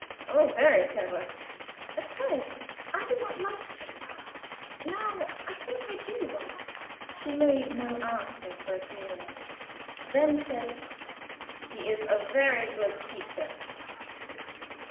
"Oh, very clever." "At first I did not like him. Now I think I do, though." She made no answer for a few minutes; then said: "He is an excellent teacher."